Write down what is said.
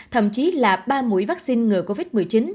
thậm chí là ba mũi vaccine ngừa covid một mươi chín